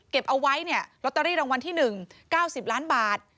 เอาไว้เนี่ยลอตเตอรี่รางวัลที่๑๙๐ล้านบาท